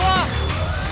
tiga dua satu